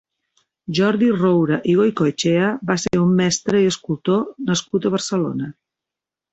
Jordi Roura i Goicoechea va ser un mestre i escultor nascut a Barcelona.